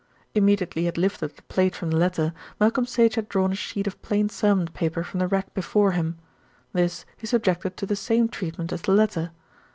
Immediately he had lifted the plate from the letter, Malcolm Sage had drawn a sheet of plain sermon paper from the rack before him. This he subjected to the same treatment as the letter.